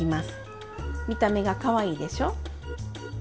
見た目がかわいいでしょ！